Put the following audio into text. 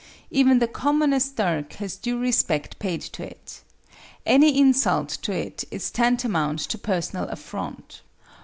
Even the commonest dirk has due respect paid to it. Any insult to it is tantamount to personal affront.